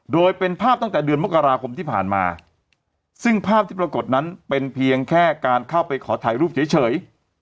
โดยเป็นภาพตั้งแต่เดือนมกราคมที่ผ่านมาซึ่งภาพที่ปรากฏนั้นเป็นเพียงแค่การเข้าไปขอถ่ายรูปเฉย